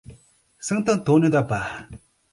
Santo Antônio da Barra